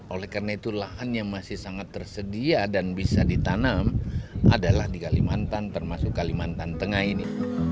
oleh karena itu lahan yang masih sangat tersedia dan bisa ditanam adalah di kalimantan termasuk kalimantan tengah ini